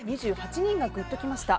２８人がグッときました。